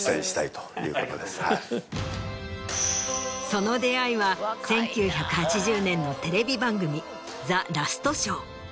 その出会いは１９８０年のテレビ番組『ザ・ラストショー』。